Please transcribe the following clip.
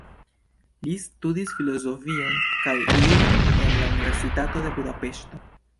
Li studis filozofion kaj juron en la Universitato de Budapeŝto.